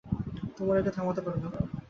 তোমরা একে থামাতে পারবে না।